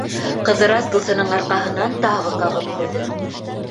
Ҡыҙырас дуҫының арҡаһынан тағы ҡағып ҡуйҙы.